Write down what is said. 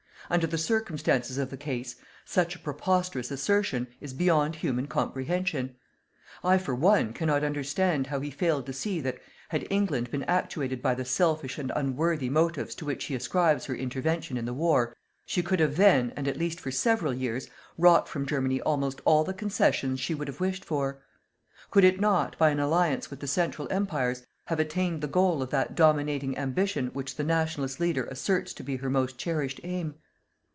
Under the circumstances of the case, such a preposterous assertion is beyond human comprehension. I, for one, cannot understand how he failed to see that, had England been actuated by the selfish and unworthy motives to which he ascribes her intervention in the war, she could have then, and at least for several years, wrought from Germany almost all the concessions she would have wished for. Could it not, by an alliance with the Central Empires, have attained the goal of that dominating ambition which the "Nationalist" leader asserts to be her most cherished aim.